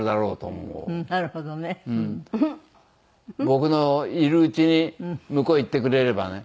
僕のいるうちに向こうへ行ってくれればね。